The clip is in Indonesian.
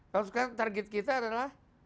kalau sekarang target kita adalah